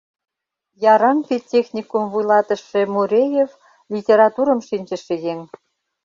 Яраҥ педтехникум вуйлатыше Муреев — литературым шинчыше еҥ.